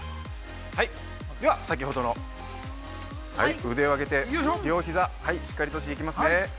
では、先ほどの腕を上げて両ひざ、しっかり閉じていきますね。